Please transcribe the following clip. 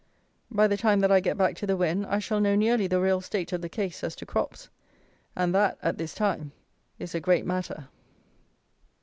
By the time that I get back to the Wen I shall know nearly the real state of the case as to crops; and that, at this time, is a great matter.